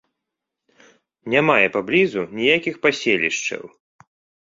Не мае паблізу ніякіх паселішчаў.